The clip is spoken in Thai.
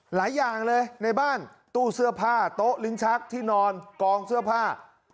หลายอย่างเลยในบ้านตู้เสื้อผ้าโต๊ะลิ้นชักที่นอนกองเสื้อผ้า